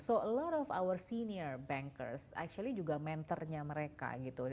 so al lor of our senior bankers actually juga menternya mereka gitu